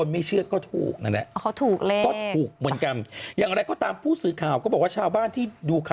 นี่เห็นไหมฉันเห็นเป็นเลขฝรั่งเลข๒